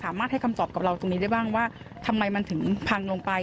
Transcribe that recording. ให้คำตอบกับเราตรงนี้ได้บ้างว่าทำไมมันถึงพังลงไป